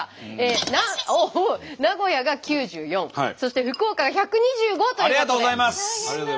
名古屋が９４そして福岡が１２５ということで。